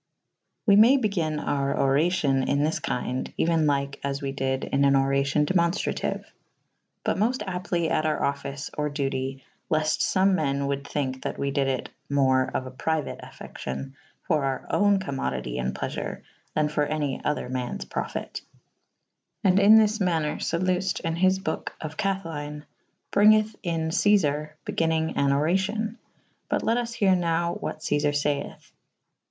We may begynne our oracion in thw kynde / euyn lyke as we dyd in an oracyon demonftratyue / but mofte aptly at our offyce or duety / lefte fome men wolde thynke that we dyd it more of a pri uate affectio« for our owne co^zmoditie & plefure : than for any other mannes profyte. And in this maner Saluft in his boke of Cathelyne bryngethe in Cezare / begynnynge an oracyon. But let vs here nowe what Cezar fayeth.